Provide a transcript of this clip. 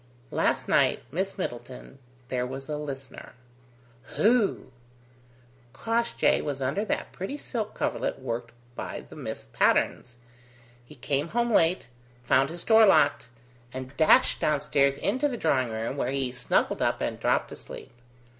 "Last night, Miss Middleton, there was a listener." "Who?" "Crossjay was under that pretty silk coverlet worked by the Miss Patternes. He came home late, found his door locked, and dashed downstairs into the drawing room, where he snuggled up and dropped asleep.